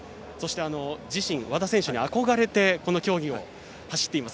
和田選手に憧れてこの競技で走っています